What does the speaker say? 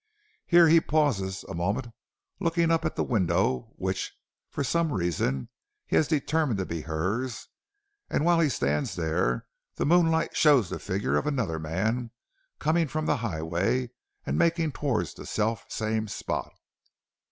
Here he pauses a moment, looking up at the window which for some reason he has determined to be hers, and while he stands there, the moonlight shows the figure of another man coming from the highway and making towards the self same spot.